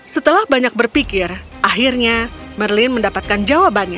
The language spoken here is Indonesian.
setelah banyak berpikir akhirnya merlin mendapatkan jawabannya